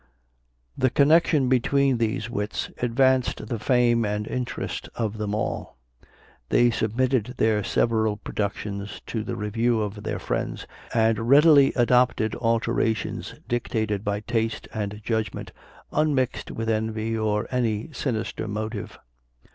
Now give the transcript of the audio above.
The connection between these wits advanced the fame and interest of them all. They submitted their several productions to the review of their friends, and readily adopted alterations dictated by taste and judgment, unmixed with envy, or any sinister motive.